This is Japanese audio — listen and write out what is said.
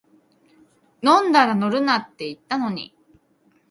飲んだら乗るなって言ったのに